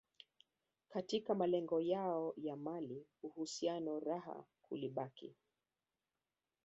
katika malengo yao ya mali uhusiano raha kulibaki